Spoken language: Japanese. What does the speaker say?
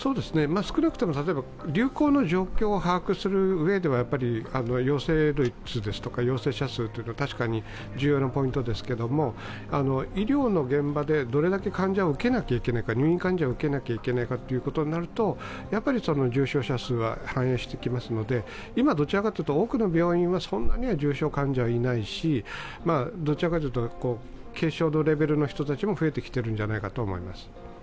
少なくとも流行の状況を把握するうえでは、陽性率ですとか陽性者数は確かに重要なポイントですけれども、医療の現場でどれだけ患者を受けなければいけないか、入院患者を受け入れなければいけないかというのは重症者数は反映してきますので、今どちらかというと多くの病院はそんなには重症患者はいないし、どちらかというと、軽症のレベルの人たちも増えてきているんじゃないかと思います。